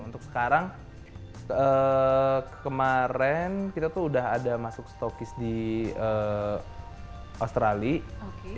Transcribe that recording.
untuk sekarang kemarin kita tuh udah ada masuk stokis di australia